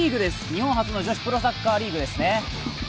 日本初の女子プロサッカーリーグですね。